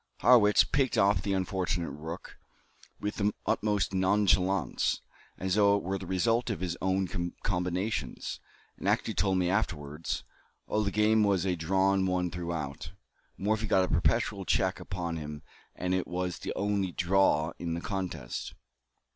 Harrwitz picked off the unfortunate rook with the utmost nonchalance, as though it were the result of his own combinations, and actually told me afterwards, "Oh, the game was a drawn one throughout." Morphy got a perpetual check upon him, and it was the only "draw" in the contest.